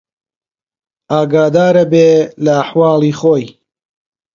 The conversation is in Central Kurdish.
ئاگادار ئەبێ لە ئەحواڵی خۆی